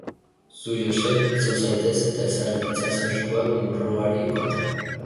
Zu Josep, itzul zaitez eta ezar itzazu eskuak murruari kontra.